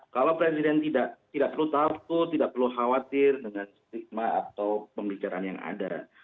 kalau presiden tidak perlu takut tidak perlu khawatir dengan stigma atau pembicaraan yang ada